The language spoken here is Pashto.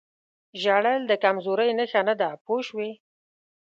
ژړل د کمزورۍ نښه نه ده پوه شوې!.